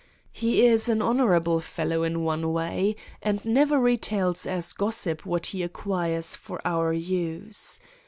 He is an honorable fellow in one way, and never retails as gossip what he acquires for our use.